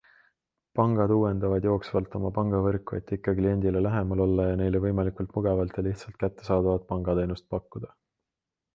Pangad uuendavad jooksvalt oma pangavõrku, et ikka kliendile lähemal olla ja neile võimalikult mugavalt ja lihtsalt kättesaadavat pangateenust pakkuda.